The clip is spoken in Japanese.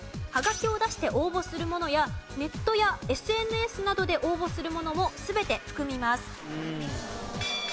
ハガキを出して応募するものやネットやＳＮＳなどで応募するものも全て含みます。